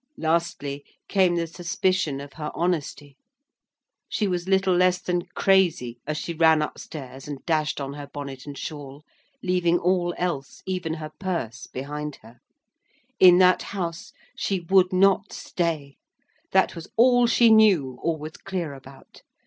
Lastly came the suspicion of her honesty. She was little less than crazy as she ran up stairs and dashed on her bonnet and shawl; leaving all else, even her purse, behind her. In that house she would not stay. That was all she knew or was clear about.